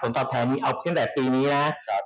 ผลตอบแทนเอาขึ้นตั้งแต่ปีนี้นะ